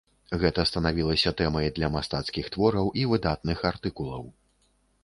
Гэта станавілася тэмай для мастацкіх твораў і выдатных артыкулаў.